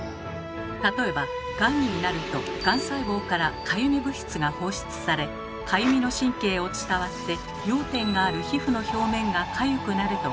例えばがんになるとがん細胞からかゆみ物質が放出されかゆみの神経を伝わって痒点がある皮膚の表面がかゆくなると考えられています。